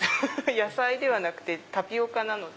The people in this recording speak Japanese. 野菜ではなくてタピオカなので。